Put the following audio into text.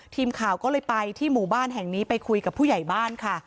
ทีมข่าวก็เลยไปที่หมู่บ้านแห่งนี้ไปคุยกับผู้ใหญ่บ้านค่ะ